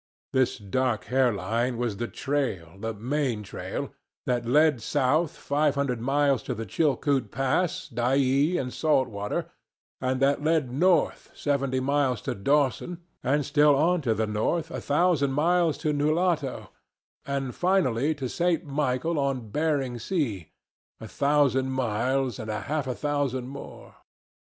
This dark hair line was the trail—the main trail—that led south five hundred miles to the Chilcoot Pass, Dyea, and salt water; and that led north seventy miles to Dawson, and still on to the north a thousand miles to Nulato, and finally to St. Michael on Bering Sea, a thousand miles and half a thousand more.